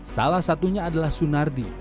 salah satunya adalah sunardi